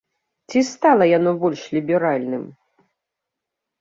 Ці стала яно больш ліберальным?